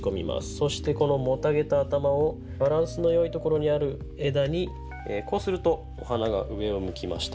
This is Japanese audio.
そしてこのもたげた頭をバランスのよいところにある枝にこうするとお花が上を向きました。